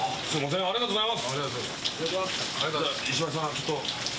ありがとうございます！